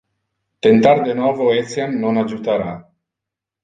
Tentar de novo etiam non adjutara.